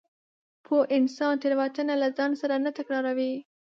پوه انسان تېروتنه له ځان سره نه تکراروي.